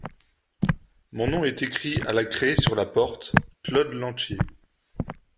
Mon nom est écrit à la craie sur la porte, Claude Lantier...